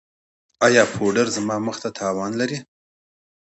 ایا پوډر زما مخ ته تاوان لري؟